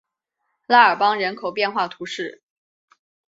拉尔邦人口变化图示